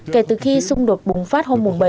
kể từ khi xung đột bùng phát hôm hôm nay